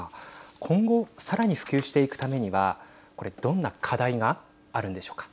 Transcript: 今後さらに普及していくためにはこれ、どんな課題があるんでしょうか。